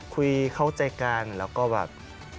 เข้าใจกันแล้วก็แบบ